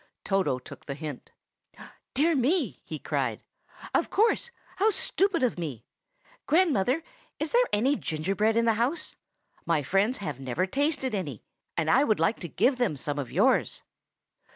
Toto took the hint. "Dear me!" he cried. "Of course! how stupid of me! Grandmother, is there any gingerbread in the house? My friends have never tasted any, and I should like to give them some of yours."